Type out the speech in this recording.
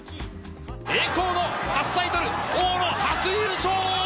栄光の初タイトル往路初優勝！